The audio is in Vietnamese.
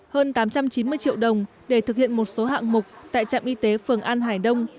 hơn tám trăm chín mươi triệu đồng để thực hiện một số hạng mục tại trạm y tế phường an hải đông